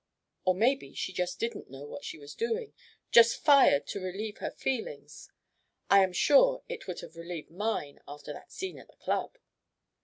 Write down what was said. Or maybe she just didn't know what she was doing just fired to relieve her feelings. I am sure it would have relieved mine after that scene at the Club."